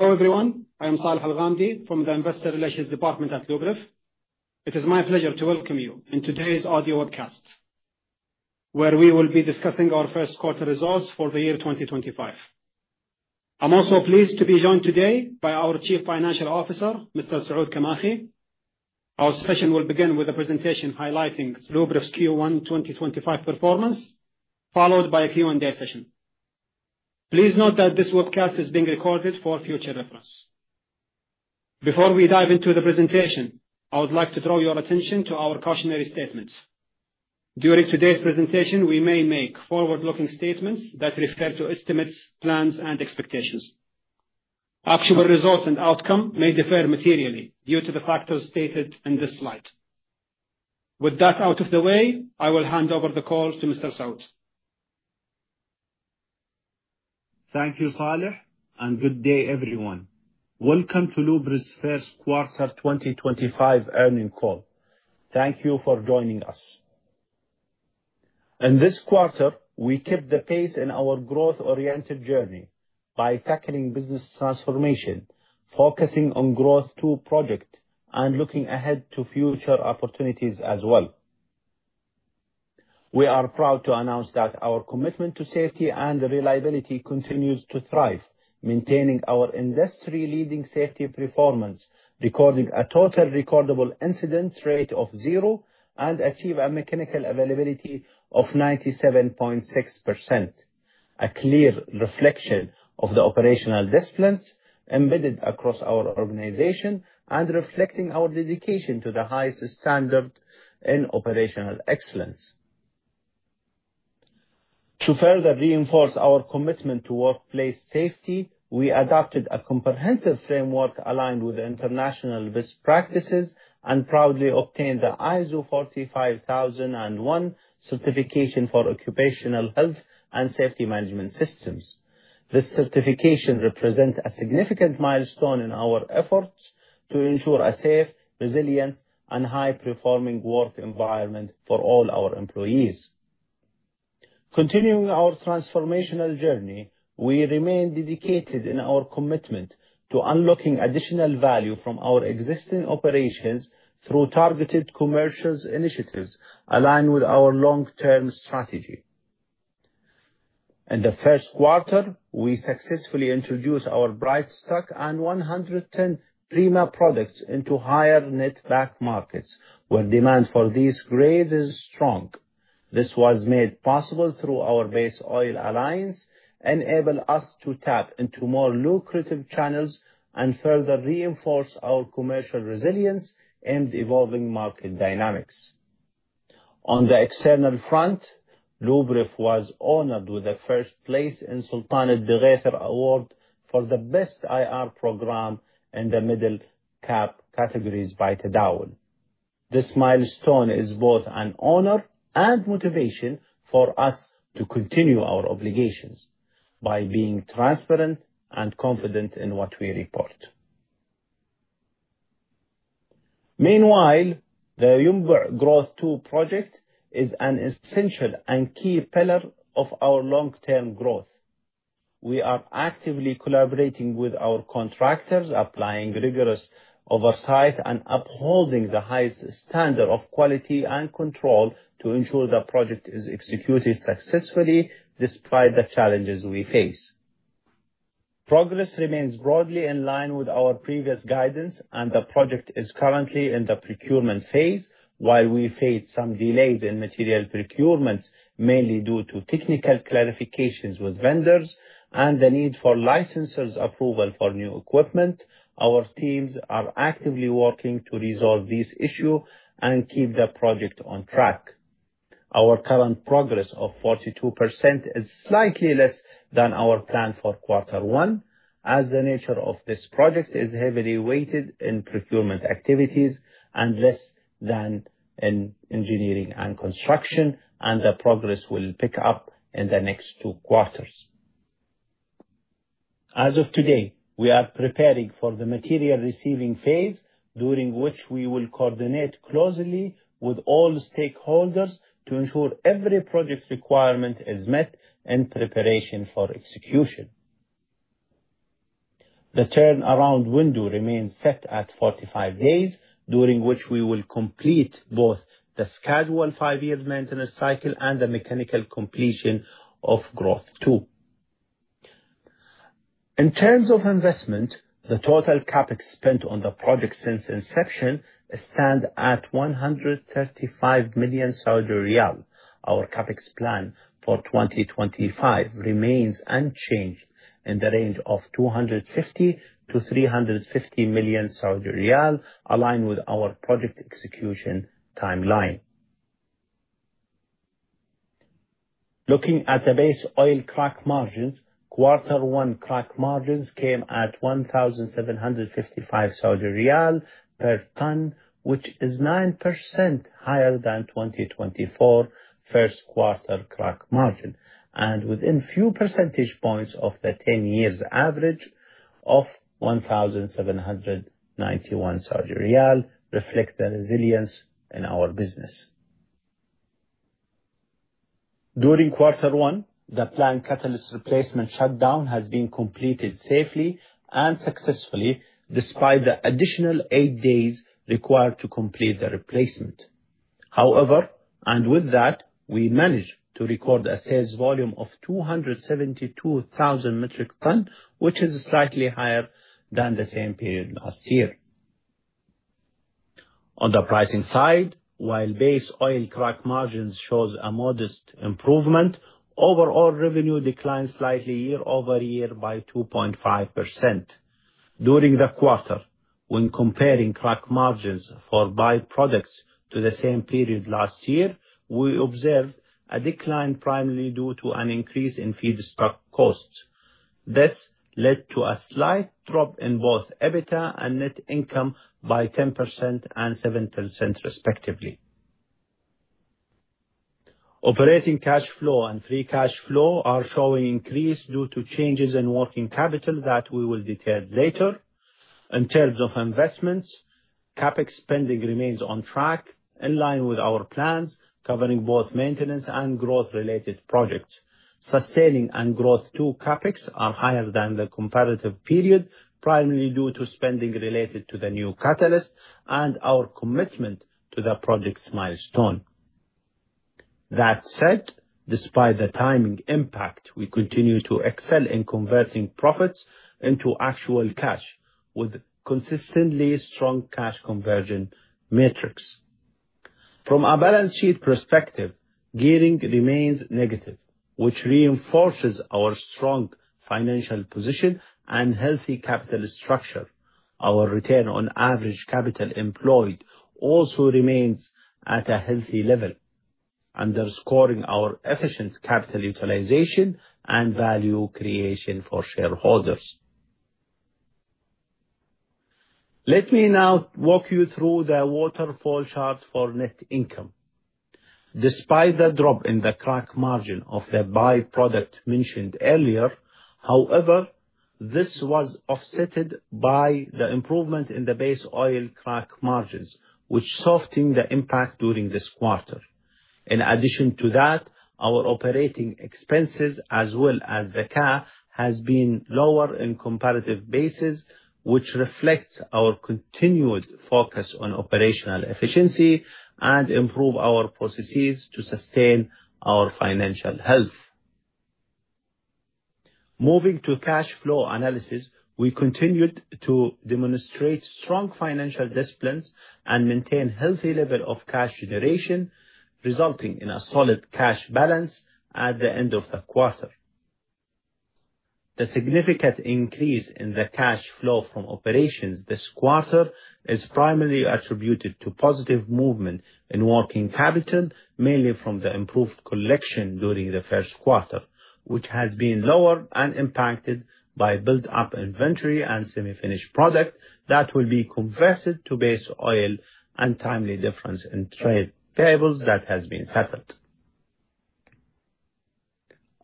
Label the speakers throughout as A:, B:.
A: Hello everyone, I am Salih Alghamdi from the Investor Relations Department at Luberef. It is my pleasure to welcome you in today's audio webcast, where we will be discussing our first quarter results for the year 2025. I'm also pleased to be joined today by our Chief Financial Officer, Mr. Saud Al-Khamis. Our session will begin with a presentation highlighting Luberef's Q1 2025 performance, followed by a Q&A session. Please note that this webcast is being recorded for future reference. Before we dive into the presentation, I would like to draw your attention to our cautionary statements. During today's presentation, we may make forward-looking statements that refer to estimates, plans, and expectations. Actual results and outcome may differ materially due to the factors stated in this slide. With that out of the way, I will hand over the call to Mr. Saud Al-Kamakhi.
B: Thank you, Salih, and good day everyone. Welcome to Luberef's first quarter 2025 earnings call. Thank you for joining us. In this quarter, we keep the pace in our growth-oriented journey by tackling business transformation, focusing on Growth II project and looking ahead to future opportunities as well. We are proud to announce that our commitment to safety and reliability continues to thrive, maintaining our industry-leading safety performance, recording a total recordable incident rate of zero and achieving a mechanical availability of 97.6%, a clear reflection of the operational disciplines embedded across our organization and reflecting our dedication to the highest standard in operational excellence. To further reinforce our commitment to workplace safety, we adopted a comprehensive framework aligned with international best practices and proudly obtained the ISO 45001 certification for occupational health and safety management systems. This certification represents a significant milestone in our efforts to ensure a safe, resilient, and high-performing work environment for all our employees. Continuing our transformational journey, we remain dedicated in our commitment to unlocking additional value from our existing operations through targeted commercial initiatives aligned with our long-term strategy. In the first quarter, we successfully introduced our Bright Stock and Prima 110 products into higher netback markets, where demand for these grades is strong. This was made possible through our base oil alliance, enabling us to tap into more lucrative channels and further reinforce our commercial resilience and evolving market dynamics. On the external front, Luberef was honored with the first place in the Saudi Capital Market Awards for the best IR program in the middle cap categories by Tadawul. This milestone is both an honor and motivation for us to continue our obligations by being transparent and confident in what we report. Meanwhile, the Yanbu Growth II project is an essential and key pillar of our long-term growth. We are actively collaborating with our contractors, applying rigorous oversight and upholding the highest standard of quality and control to ensure the project is executed successfully despite the challenges we face. Progress remains broadly in line with our previous guidance, and the project is currently in the procurement phase. While we face some delays in material procurement, mainly due to technical clarifications with vendors and the need for licensors' approval for new equipment, our teams are actively working to resolve these issues and keep the project on track. Our current progress of 42% is slightly less than our plan for quarter one, as the nature of this project is heavily weighted in procurement activities and less than in engineering and construction, and the progress will pick up in the next two quarters. As of today, we are preparing for the material receiving phase, during which we will coordinate closely with all stakeholders to ensure every project requirement is met in preparation for execution. The turnaround window remains set at 45 days, during which we will complete both the scheduled five-year maintenance cycle and the mechanical completion of Growth II. In terms of investment, the total CapEx spent on the project since inception stands at 135 million Saudi riyal. Our CapEx plan for 2025 remains unchanged in the range of 250-350 million Saudi riyal, aligned with our project execution timeline. Looking at the base oil crack margins, quarter one crack margins came at 1,755 Saudi riyal per ton, which is 9% higher than 2024 first quarter crack margin, and within a few percentage points of the 10-year average of 1,791 Saudi riyal, reflecting the resilience in our business. During quarter one, the planned catalyst replacement shutdown has been completed safely and successfully, despite the additional eight days required to complete the replacement. However, and with that, we managed to record a sales volume of 272,000 metric tons, which is slightly higher than the same period last year. On the pricing side, while base oil crack margins show a modest improvement, overall revenue declined slightly year-over-year by 2.5%. During the quarter, when comparing crack margins for byproducts to the same period last year, we observed a decline primarily due to an increase in feedstock costs. This led to a slight drop in both EBITDA and net income by 10% and 7% respectively. Operating cash flow and free cash flow are showing increase due to changes in working capital that we will detail later. In terms of investments, CapEx spending remains on track, in line with our plans, covering both maintenance and growth-related projects. Sustaining and Growth 2 CapEx are higher than the comparative period, primarily due to spending related to the new catalyst and our commitment to the project's milestone. That said, despite the timing impact, we continue to excel in converting profits into actual cash, with consistently strong cash conversion metrics. From a balance sheet perspective, gearing remains negative, which reinforces our strong financial position and healthy capital structure. Our return on average capital employed also remains at a healthy level, underscoring our efficient capital utilization and value creation for shareholders. Let me now walk you through the waterfall chart for net income. Despite the drop in the crack margin of the byproduct mentioned earlier, however, this was offset by the improvement in the base oil crack margins, which softened the impact during this quarter. In addition to that, our operating expenses, as well as the capex, have been lower in comparative basis, which reflects our continued focus on operational efficiency and improving our processes to sustain our financial health. Moving to cash flow analysis, we continued to demonstrate strong financial discipline and maintain a healthy level of cash generation, resulting in a solid cash balance at the end of the quarter. The significant increase in the cash flow from operations this quarter is primarily attributed to positive movement in working capital, mainly from the improved collection during the first quarter, which has been lower and impacted by built-up inventory and semi-finished product that will be converted to base oil and timely difference in trade payables that have been settled.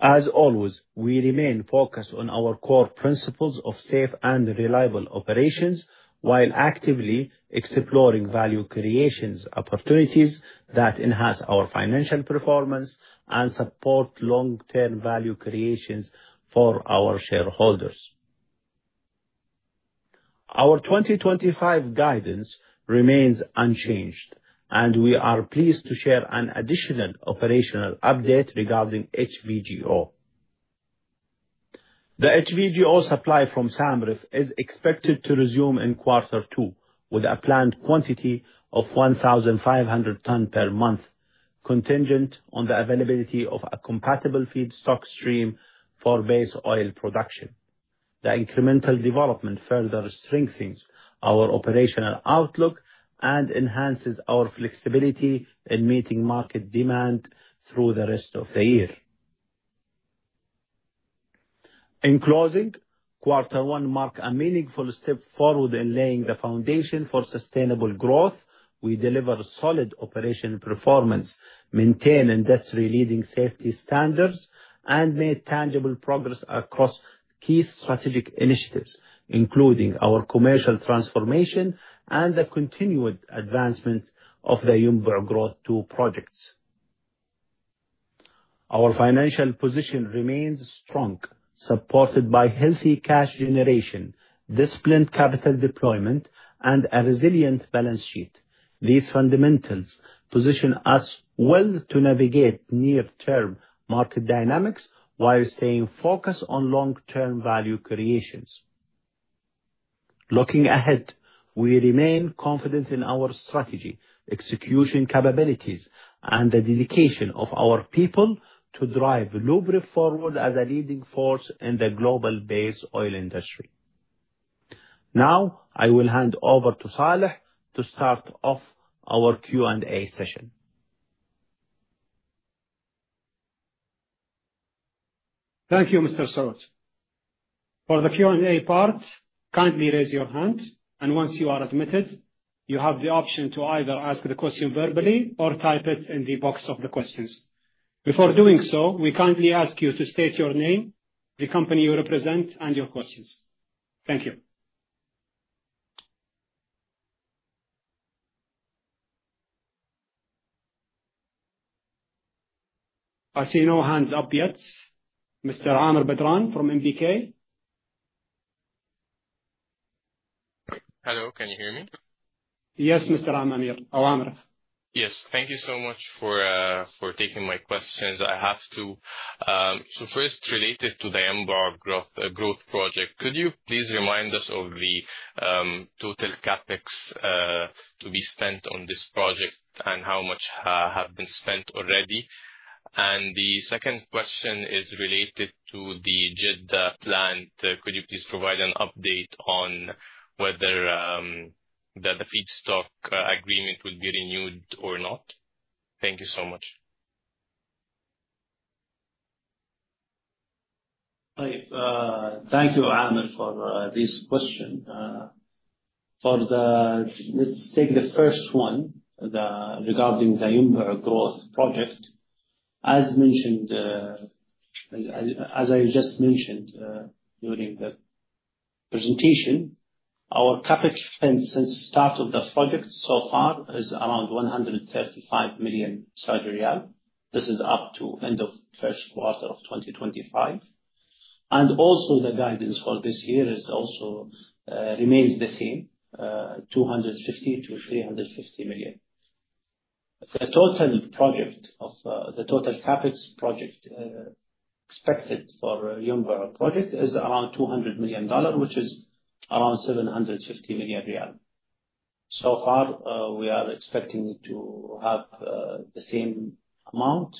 B: As always, we remain focused on our core principles of safe and reliable operations while actively exploring value creation opportunities that enhance our financial performance and support long-term value creation for our shareholders. Our 2025 guidance remains unchanged, and we are pleased to share an additional operational update regarding HVGO. The HVGO supply from SAMREF is expected to resume in quarter two, with a planned quantity of 1,500 tons per month, contingent on the availability of a compatible feedstock stream for base oil production. The incremental development further strengthens our operational outlook and enhances our flexibility in meeting market demand through the rest of the year. In closing, quarter one marked a meaningful step forward in laying the foundation for sustainable growth. We delivered solid operational performance, maintained industry-leading safety standards, and made tangible progress across key strategic initiatives, including our commercial transformation and the continued advancement of the Yanbu Growth II projects. Our financial position remains strong, supported by healthy cash generation, disciplined capital deployment, and a resilient balance sheet. These fundamentals position us well to navigate near-term market dynamics while staying focused on long-term value creations. Looking ahead, we remain confident in our strategy, execution capabilities, and the dedication of our people to drive Luberef forward as a leading force in the global base oil industry. Now, I will hand over to Salih to start off our Q&A session.
A: Thank you, Mr. Saud. For the Q&A part, kindly raise your hand, and once you are admitted, you have the option to either ask the question verbally or type it in the box of the questions. Before doing so, we kindly ask you to state your name, the company you represent, and your questions. Thank you. I see no hands up yet. Mr. Amir Badran from NBK Capital.
C: Hello, can you hear me?
A: Yes, Mr. Amir or Amir.
C: Yes, thank you so much for taking my questions. I have two, so first, related to the Growth project, could you please remind us of the total CapEx to be spent on this project and how much has been spent already? And the second question is related to the Jeddah plant. Could you please provide an update on whether the feedstock agreement will be renewed or not? Thank you so much.
B: Thank you, Amir, for this question. Let's take the first one regarding the Yanbu Growth project. As I just mentioned during the presentation, our CapEx spent since the start of the project so far is around 135 million Saudi riyal. This is up to the end of the first quarter of 2025, and also, the guidance for this year remains the same: 250 million- 350 million. The total project of the total CapEx project expected for Yanbu project is around $200 million, which is around SAR 750 million. So far, we are expecting to have the same amount,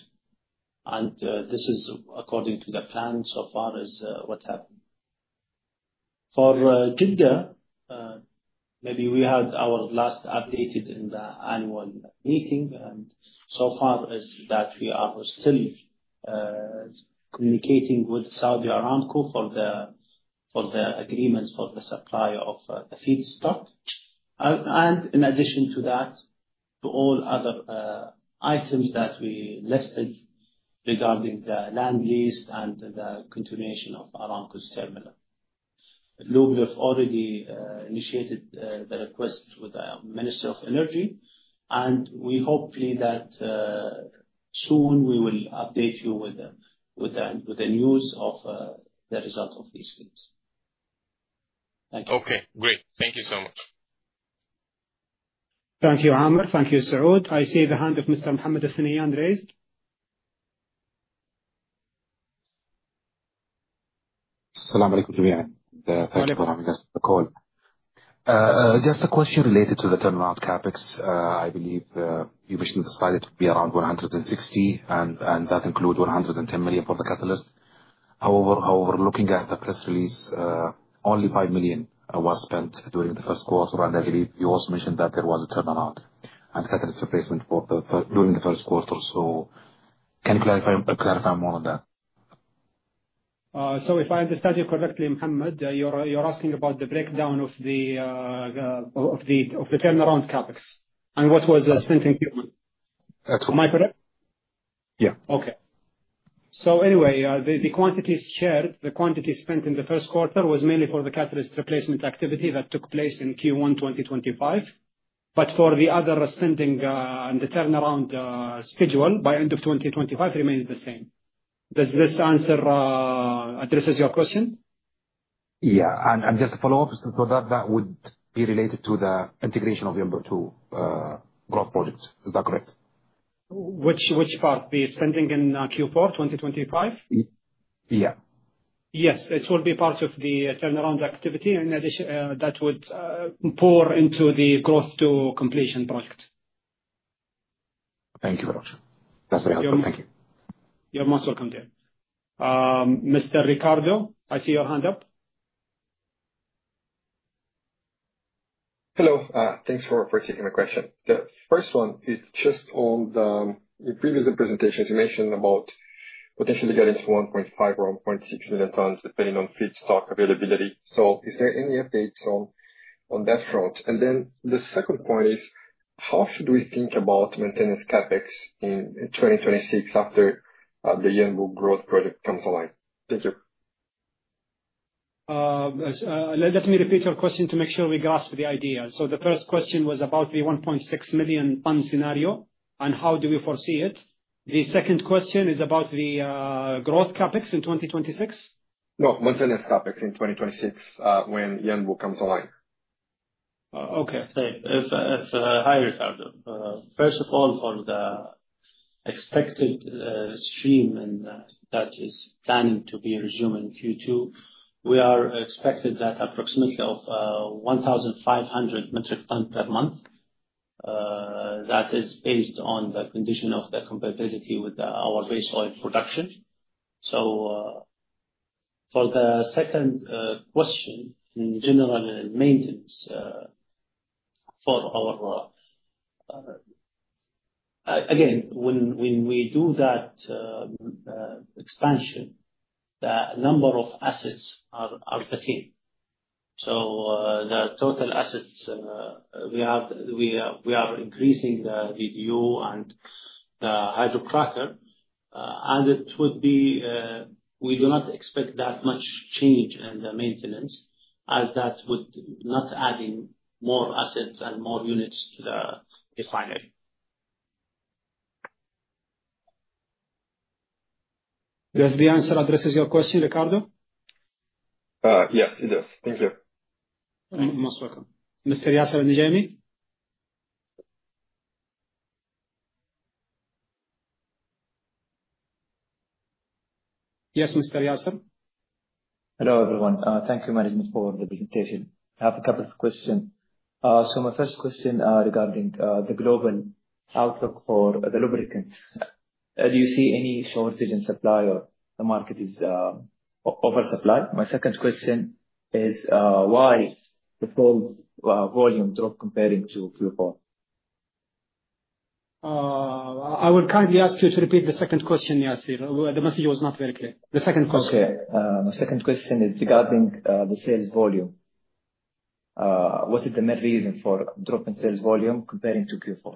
B: and this is according to the plan so far as what happened. For Jeddah, maybe we had our last update in the annual meeting, and so far as that, we are still communicating with Saudi Aramco for the agreement for the supply of the feedstock. In addition to that, to all other items that we listed regarding the land lease and the continuation of Aramco's terminal, Luberef already initiated the request with the Minister of Energy, and we hopefully that soon we will update you with the news of the result of these things. Thank you.
C: Okay, great. Thank you so much.
A: Thank you, Amir. Thank you, Saud. I see the hand of Mr. Mohammed Al-Thunayan raised. Assalamualaikum everyone. Thank you for having us on the call. Just a question related to the turnaround Capex. I believe you mentioned the slide, it would be around 160, and that includes 110 million for the catalyst. However, looking at the press release, only 5 million was spent during the first quarter, and I believe you also mentioned that there was a turnaround and catalyst replacement during the first quarter. So can you clarify more on that? So if I understand you correctly, Mohammed, you're asking about the breakdown of the turnaround Capex and what was spent in Q1. That's correct. My correct? Yeah. Okay. So anyway, the quantities shared, the quantity spent in the first quarter was mainly for the catalyst replacement activity that took place in Q1 2025, but for the other spending and the turnaround schedule by end of 2025 remains the same. Does this answer address your question? Yeah. And just to follow up, so that would be related to the integration of Yanbu to Growth project. Is that correct? Which part? The spending in Q4 2025? Yeah. Yes, it will be part of the turnaround activity that would pour into the Growth II completion project. Thank you very much. That's very helpful. Thank you. You're most welcome, Dan. Mr. Ricardo, I see your hand up. Hello. Thanks for taking my question. The first one is just on the previous presentations, you mentioned about potentially getting to 1.5 or 1.6 million tons depending on feedstock availability. So is there any updates on that front? And then the second point is, how should we think about maintenance CapEx in 2026 after the Yanbu Growth project comes online? Thank you. Let me repeat your question to make sure we grasp the idea. So the first question was about the 1.6 million ton scenario, and how do we foresee it? The second question is about the growth CapEx in 2026? No, maintenance Capex in 2026 when Yanbu comes online.
B: Okay. Thanks. It's Hired, Fardaw. First of all, for the expected stream that is planning to be resumed in Q2, we are expected that approximately of 1,500 metric tons per month. That is based on the condition of the compatibility with our base oil production. So for the second question, in general and maintenance for our, again, when we do that expansion, the number of assets are the same. So the total assets we have, we are increasing the DDU and the hydrocracker, and it would be, we do not expect that much change in the maintenance as that would not add more assets and more units to the final.
A: Does the answer address your question, Ricardo? Yes, it does. Thank you. You're most welcome. Mr. Yasser Al-Nujaimi? Yes, Mr. Yaser? Hello, everyone. Thank you, Management, for the presentation. I have a couple of questions. So my first question regarding the global outlook for the lubricants. Do you see any shortage in supply, or is the market oversupplied? My second question is, why did the sales volume drop compared to Q4? I will kindly ask you to repeat the second question, Yaser. The message was not very clear. The second question. Okay. My second question is regarding the sales volume. What is the main reason for drop in sales volume comparing to Q4?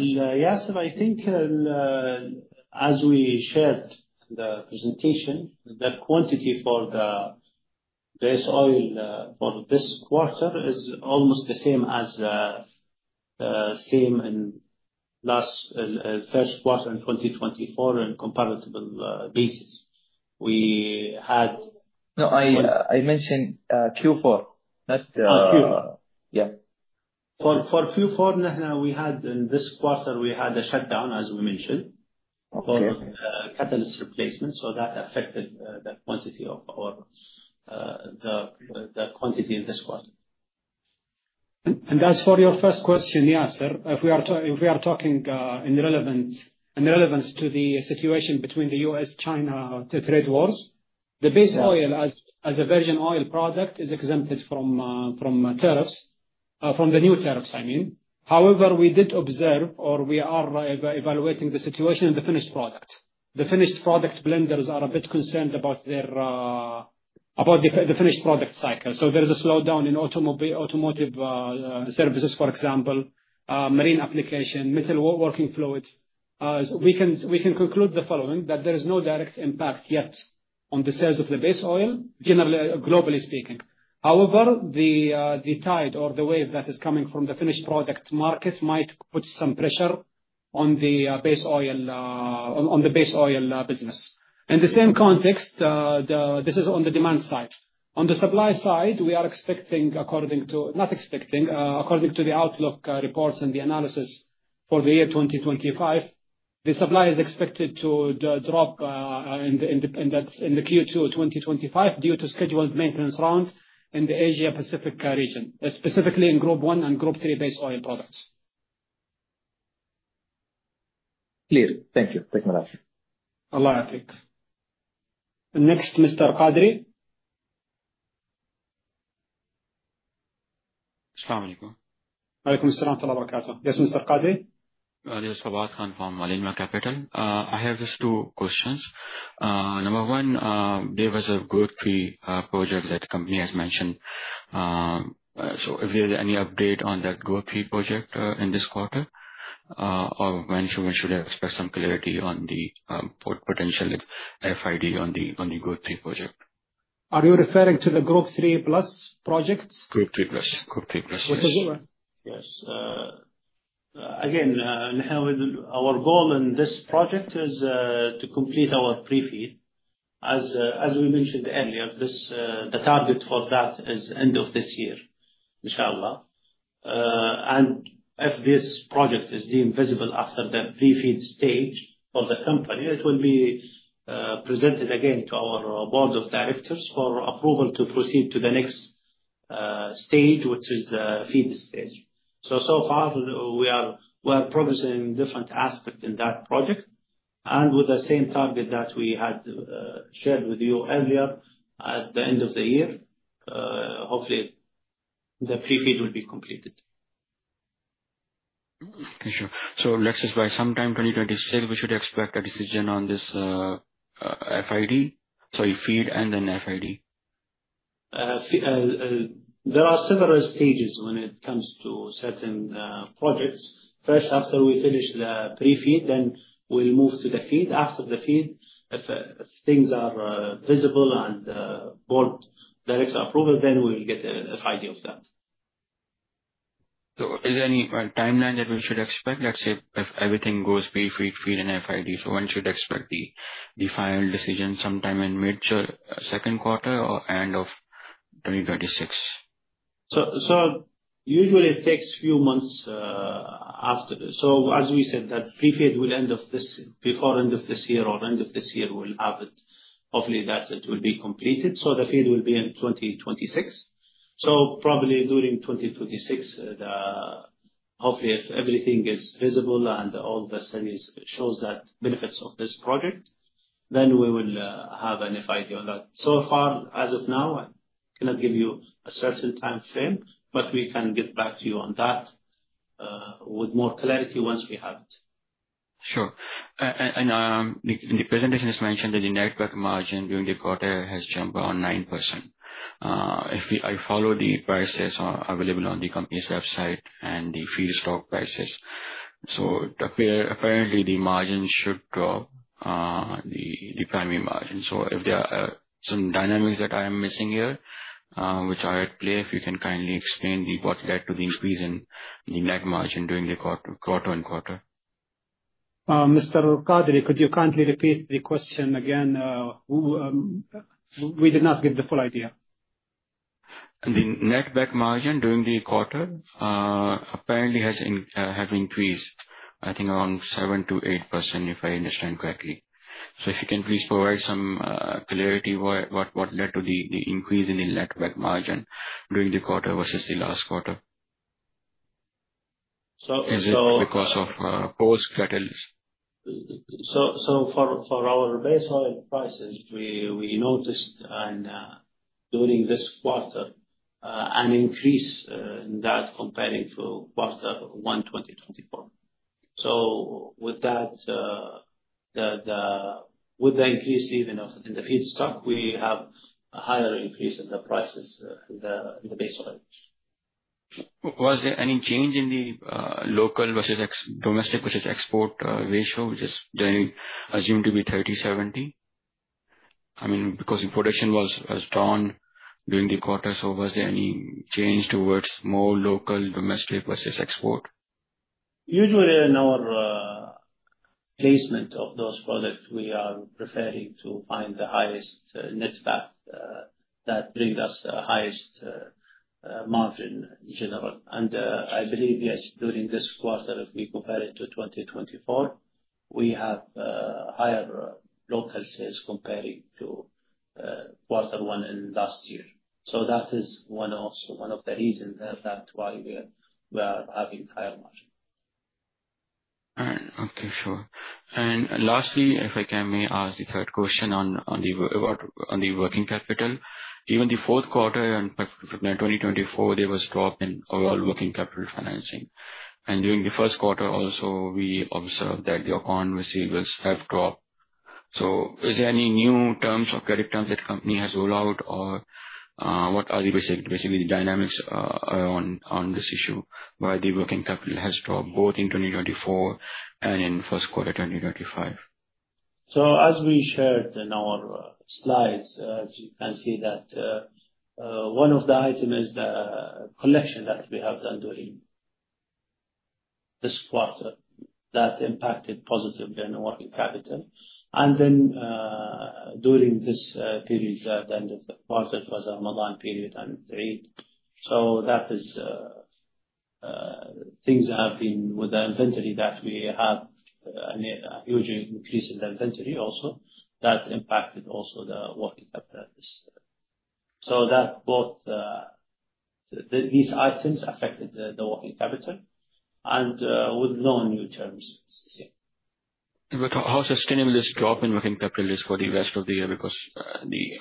B: Yaser, I think as we shared in the presentation, the quantity for the base oil for this quarter is almost the same as in last first quarter in 2024 on comparative basis. We had. No, I mentioned Q4, not.
A: Oh, Q4. Yeah.
B: For Q4, in this quarter, we had a shutdown, as we mentioned, for the catalyst replacement, so that affected the quantity in this quarter.
A: As for your first question, Yaser, if we are talking in relevance to the situation between the U.S.-China trade wars, the base oil as a virgin oil product is exempted from tariffs, from the new tariffs, I mean. However, we did observe or we are evaluating the situation in the finished product. The finished product blenders are a bit concerned about the finished product cycle. So there is a slowdown in automotive services, for example, marine application, metal working fluids. We can conclude the following: that there is no direct impact yet on the sales of the base oil, generally globally speaking. However, the tide or the wave that is coming from the finished product market might put some pressure on the base oil business. In the same context, this is on the demand side. On the supply side, according to the outlook reports and the analysis for the year 2025, the supply is expected to drop in Q2 2025 due to scheduled maintenance turnaround in the Asia-Pacific region, specifically in Group I and Group III base oil products. Clear. Thank you. Thank you very much. Allah Hafiz. Next, Mr. Qadri. Assalamualaikum. Waalaikumussalam and salam wa rahmatullah wa barakatuh. Yes, Mr. Qadri? Yes, Sabahat Khan from Alinma Capital. I have just two questions. Number one, there was a Growth FEED project that the company has mentioned. So if there's any update on that Growth FEED project in this quarter, or when should we expect some clarity on the potential FID on the Growth FEED project? Are you referring to the Growth III Plus project? Growth III Plus. Growth III Plus. Which is it?
B: Yes. Again, our goal in this project is to complete our pre-FEED. As we mentioned earlier, the target for that is end of this year, inshallah. And if this project is deemed viable after the pre-FEED stage for the company, it will be presented again to our board of directors for approval to proceed to the next stage, which is the FEED stage. So so far, we are progressing in different aspects in that project. And with the same target that we had shared with you earlier at the end of the year, hopefully, the pre-FEED will be completed. Okay. Sure. So next is by sometime 2026, we should expect a decision on this FID, sorry, FEED and then FID. There are several stages when it comes to certain projects. First, after we finish the pre-FEED, then we'll move to the FEED. After the FEED, if things are visible and board direct approval, then we'll get an FID of that. So is there any timeline that we should expect, let's say, if everything goes pre-FEED, FEED, and FID? So when should we expect the final decision sometime in mid to second quarter or end of 2026? Usually, it takes a few months after this. As we said, that pre-FEED will end before end of this year. We'll have it. Hopefully, it will be completed. The FEED will be in 2026. Probably during 2026, hopefully, if everything is visible and all the studies show the benefits of this project, then we will have an FID on that. As of now, I cannot give you a certain time frame, but we can get back to you on that with more clarity once we have it. Sure. And in the presentation, it's mentioned that the netback margin during the quarter has jumped around 9%. If I follow the prices available on the company's website and the feedstock prices, so apparently, the margin should drop, the netback margin. So if there are some dynamics that I am missing here, which are at play, if you can kindly explain what led to the increase in the netback margin quarter-over-quarter.
A: Mr. Qadri, could you kindly repeat the question again? We did not get the full idea.
C: The netback margin during the quarter apparently has increased, I think, around 7%-8%, if I understand correctly, so if you can please provide some clarity what led to the increase in the netback margin during the quarter versus the last quarter. It's because of post-catalyst.
B: For our base oil prices, we noticed during this quarter an increase in that comparing to quarter one 2024. With that, with the increase even in the feedstock, we have a higher increase in the prices in the base oil. Was there any change in the local versus domestic versus export ratio, which is generally assumed to be 30%-70%? I mean, because production was down during the quarter, so was there any change towards more local, domestic versus export? Usually, in our placement of those products, we are preferring to find the highest netback that brings us the highest margin in general, and I believe, yes, during this quarter, if we compare it to 2024, we have higher local sales comparing to quarter one in last year, so that is one of the reasons that's why we are having higher margin. All right. Okay. Sure. And lastly, if I may ask the third question on the working capital. In the Q4 of 2024, there was a drop in overall working capital financing. And during the first quarter, also, we observed that the accounts receivable have dropped. So is there any new terms or credit terms that the company has rolled out, or what are basically the dynamics around this issue why the working capital has dropped both in 2024 and in first quarter 2025? So as we shared in our slides, as you can see, that one of the items is the collection that we have done during this quarter that impacted positively on the working capital. And then during this period, the end of the quarter was a Ramadan period and Eid. So things have been with the inventory that we have a huge increase in the inventory also that impacted also the working capital. So these items affected the working capital, and with no new terms. How sustainable is the drop in working capital risk for the rest of the year? Because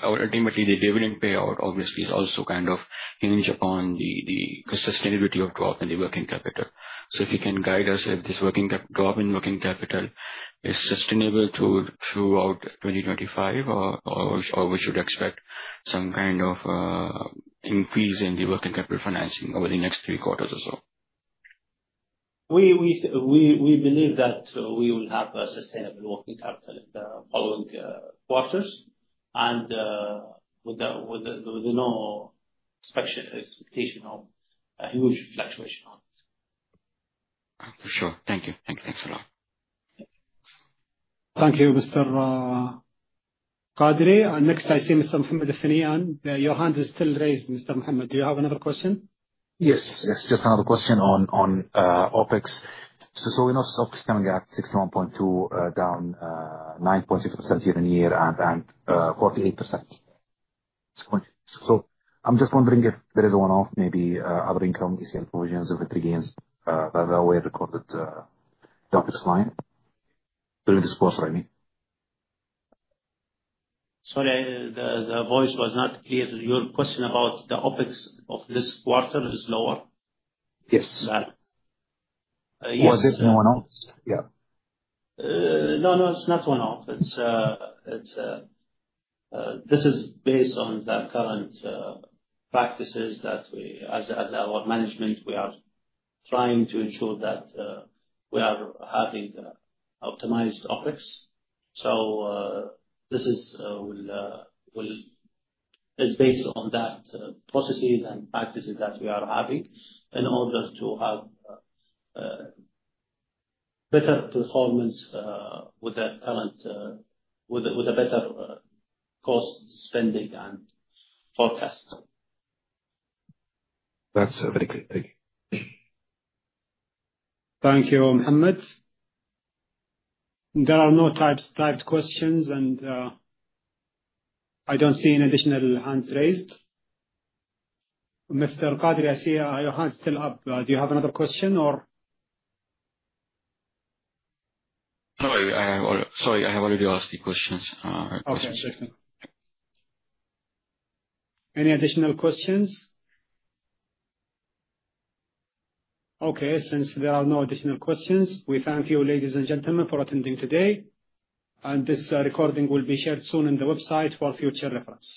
B: ultimately, the dividend payout, obviously, is also kind of hinged upon the sustainability of drop in the working capital. So if you can guide us if this drop in working capital is sustainable throughout 2025, or we should expect some kind of increase in the working capital financing over the next three quarters or so? We believe that we will have a sustainable working capital in the following quarters, and with no expectation of a huge fluctuation on it. For sure. Thank you. Thanks a lot.
A: Thank you, Mr. Qadri. Next, I see Mr. Mohammed Athneyan. Your hand is still raised, Mr. Mohammed. Do you have another question? Yes. Yes. Just another question on OpEx. So we know costs coming at 61.2, down 9.6% year on year and 48%. So I'm just wondering if there is a one-off, maybe other income, ECL provisions, other gains that were recorded on this line during this quarter, I mean.
B: Sorry, the voice was not clear. Your question about the OpEx of this quarter is lower? Yes. That. Was this one-off? Yeah. No, no, it's not one-off. This is based on the current practices that we, as our management, we are trying to ensure that we are having optimized OpEx. So this is based on that processes and practices that we are having in order to have better performance with the current, with a better cost spending and forecast. That's very clear. Thank you.
A: Thank you, Mohammed. There are no typed questions, and I don't see any additional hands raised. Mr. Qadri, I see your hand still up. Do you have another question, or? Sorry, I have already asked the questions. Okay. Any additional questions? Okay. Since there are no additional questions, we thank you, ladies and gentlemen, for attending today. And this recording will be shared soon on the website for future reference.